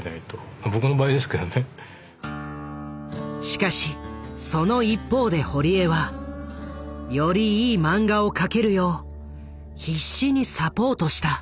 しかしその一方で堀江はよりいい漫画を描けるよう必死にサポートした。